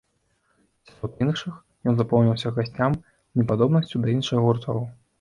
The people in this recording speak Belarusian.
Сярод іншых ён запомніўся гасцям непадобнасцю да іншых гуртоў.